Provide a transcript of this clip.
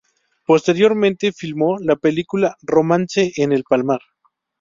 Posteriormente filmó la película "Romance en el Palmar".